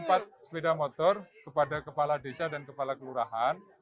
tepatnya dua ratus sembilan puluh empat sepeda motor kepada kepala desa dan kepala kelurahan